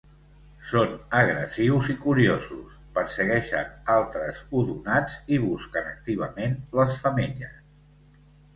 Són agressius i curiosos; persegueixen altres odonats i busquen activament les femelles.